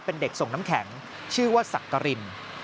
เป็นเด็กส่งน้ำแข็งชื่อว่าสักกริน